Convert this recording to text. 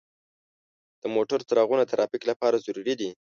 د موټرو څراغونه د ترافیک لپاره ضروري دي.